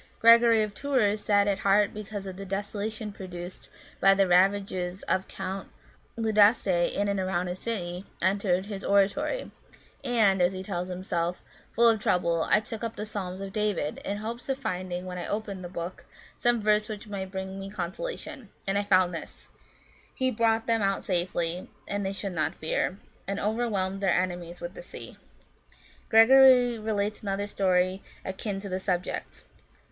Gregory of Tours, sad at heart because of the desolation produced by the ravages of Count Leudaste in and around the city, entered his oratory ;and," as he tells us himself, " full of trouble, I took up the Psalms of David, in hopes of finding, when I opened the book, some verse which might bring me consolation. And I found this :* He brought them out safely, that they should not fear ; and over whelmed their enemies with the sea.' " Gregory relates another story akin to the subject.